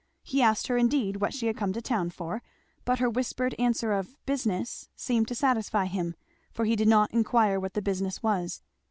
He asked her indeed what she had come to town for, but her whispered answer of "Business," seemed to satisfy him, for he did not inquire what the business was.